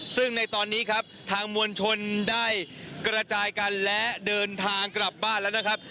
ซึ่งในตอนนี้ครับทางมวลชนได้กระจายกันและเดินทางกลับบ้านแล้วนะครับ